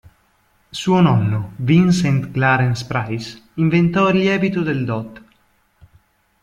Suo nonno, Vincent Clarence Price, inventò "il lievito del dott.